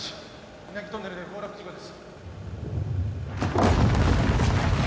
稲城トンネルで崩落事故です